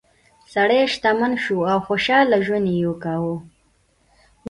سړی شتمن شو او خوشحاله ژوند یې کاوه.